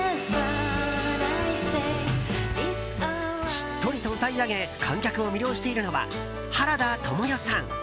しっとりと歌い上げ観客を魅了しているのは原田知世さん。